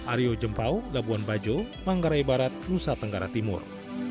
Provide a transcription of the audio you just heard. aryo jempau labuan bajo manggarai barat nusa tenggara timur